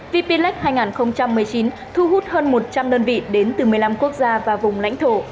vplec hai nghìn một mươi chín thu hút hơn một trăm linh đơn vị đến từ một mươi năm quốc gia và vùng lãnh thổ